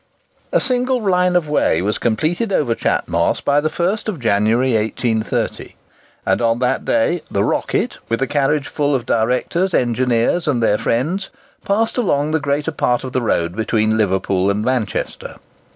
A single line of way was completed over Chat Moss by the 1st of January, 1830; and on that day, the "Rocket" with a carriage full of directors, engineers, and their friends, passed along the greater part of the road between Liverpool and Manchester.